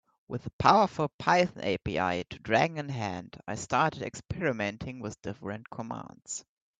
With a powerful Python API to Dragon in hand, I started experimenting with different commands.